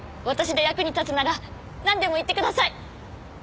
私で役に立つならなんでも言ってください！